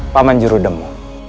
pak man jurudemo